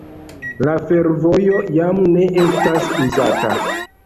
La fervojo jam ne estas uzata.